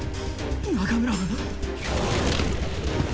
中村。